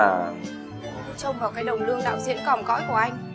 trông vào cái đồng lương đạo diễn còm cõi của anh